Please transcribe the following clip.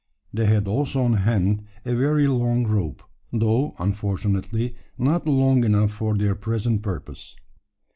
They had also on hand a very long rope, though, unfortunately, not long enough for their present purpose.